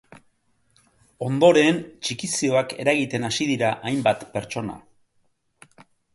Ondoren, txikizioak eragiten hasi dira hainbat pertsona.